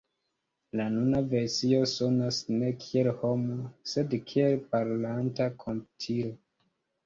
La nuna versio sonas ne kiel homo, sed kiel parolanta komputilo.